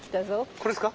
これっすか？